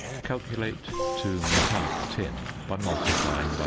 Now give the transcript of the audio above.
Calculate to metallic tin by multiplying by 0.